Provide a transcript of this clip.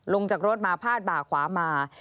ลงจากรถมาพาดบ่าขวามา